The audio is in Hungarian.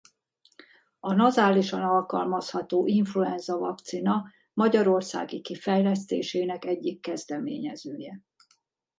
A nazálisan alkalmazható influenza vakcina magyarországi kifejlesztésének egyik kezdeményezője.